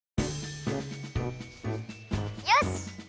よし！